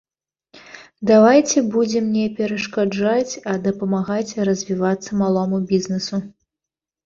Давайце будзем не перашкаджаць, а дапамагаць развівацца малому бізнесу.